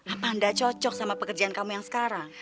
apa anda cocok sama pekerjaan kamu yang sekarang